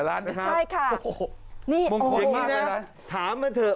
ล้านใช่ค่ะโอ้โหนี่โอ้โหอย่างนี้นะถามมาเถอะ